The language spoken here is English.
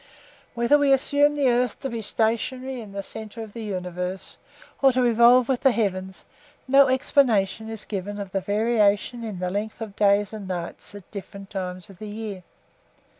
Whether we assume the earth to be stationary in the centre of the universe, or to revolve with the heavens, no explanation is given of the variation in the length of days and nights at different times of the year.